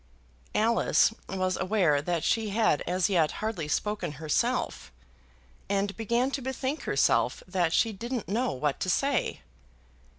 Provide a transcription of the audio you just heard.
Alice was aware that she had as yet hardly spoken herself, and began to bethink herself that she didn't know what to say.